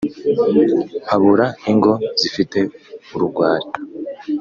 mpabura ingo zifite urugwari